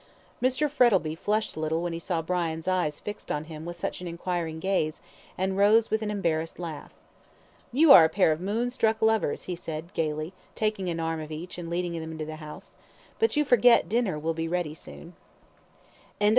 Mr Frettlby flushed a little when he saw Brian's eye fixed on him with such an enquiring gaze, and rose with an embarrassed laugh. "You are a pair of moon struck lovers," he said, gaily, taking an arm of each, and leading them into the house "but you forget dinner will soon be ready."